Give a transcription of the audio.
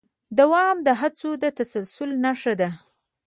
دوام د هڅو د تسلسل نښه ده.